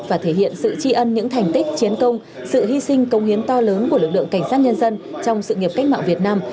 và thể hiện sự tri ân những thành tích chiến công sự hy sinh công hiến to lớn của lực lượng cảnh sát nhân dân trong sự nghiệp cách mạng việt nam